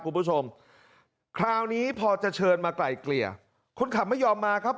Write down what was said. คุณผู้ชมคราวนี้พอจะเชิญมาไกลเกลี่ยคนขับไม่ยอมมาครับ